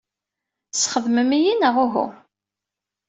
Tesxedmem-iyi, neɣ uhu?